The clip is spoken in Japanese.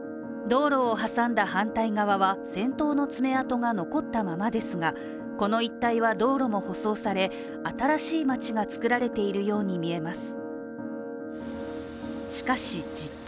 道路を挟んだ反対側は戦闘の爪痕が残ったままですがこの一帯は道路も舗装され、新しい街が作られているように見えます。